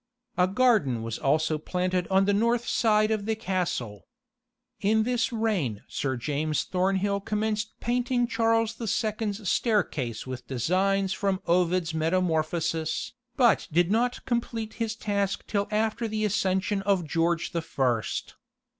A garden was also planned on the north side of the castle. In this reign Sir James Thornhill commenced painting Charles the Second's staircase with designs from Ovid's Metamorphoses, but did not complete his task till after the accession of George the First.